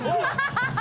ハハハ！